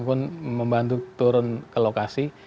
iya atau membantu turun ke lokasi